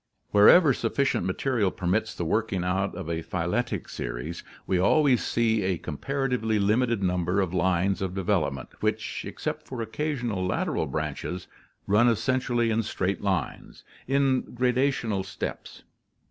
Wherever sufficient material permits the working out of a phyletic series, we always see a comparatively limited num ber of lines of development, which, except for occasional lateral branches, run essentially in straight lines, in gradational steps.